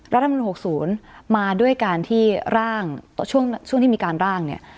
รัฐมนุน๖๐มาด้วยการที่ร่างช่วงที่มีการร่างเนี่ย